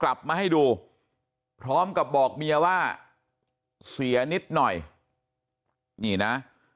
กลับมาให้ดูพร้อมกับบอกเมียว่าเสียนิดหน่อยนี่นะ